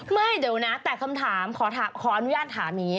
ไม่เดี๋ยวนะแต่คำถามขออนุญาตถามอย่างนี้